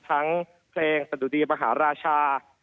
ทั้งเพลงสะดุดีมหาราชา